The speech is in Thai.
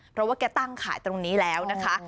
เพราะว่าแกตั้งขายตรงนี้แล้วนะคะ